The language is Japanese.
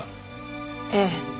ええ。